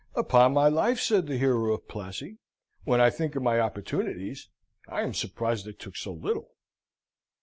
"Upon my life," said the hero of Plassy, "when I think of my opportunities, I am surprised I took so little!"